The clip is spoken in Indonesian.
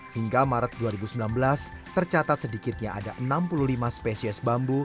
hingga maret dua ribu sembilan belas tercatat sedikitnya ada enam puluh lima spesies bambu